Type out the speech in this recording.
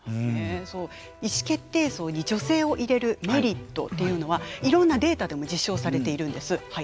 意思決定層に女性を入れるメリットっていうのはいろんなデータでも実証されているんです。